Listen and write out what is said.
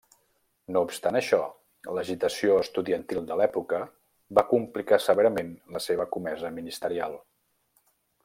No obstant això l'agitació estudiantil de l'època, va complicar severament la seva comesa ministerial.